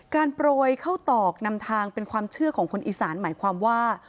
โปรยเข้าตอกนำทางเป็นความเชื่อของคนอีสานหมายความว่า